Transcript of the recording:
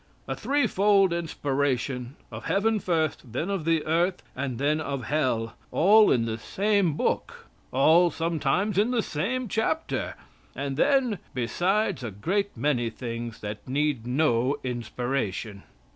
A three fold inspiration, of Heaven first, then of the Earth, and then of Hell, all in the same book, all sometimes in the same chapter, and then, besides, a great many things that need no inspiration."